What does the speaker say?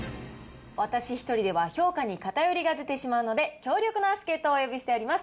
私１人では評価に偏りが出てしまいますので、強力な助っ人をお呼びしております。